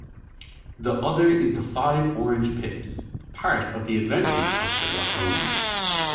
The other is "The Five Orange Pips", part of "The Adventures of Sherlock Holmes".